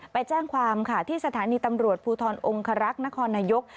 ไปแจ้งความที่สถานีตำรวจพูทรองค์ครักษ์นครณญก